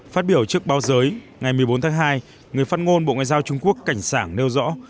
phát biểu trước báo giới ngày một mươi bốn tháng hai người phát ngôn bộ ngoại giao trung quốc cảnh sảng nêu rõ